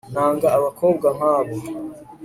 nanga abakobwa nkabo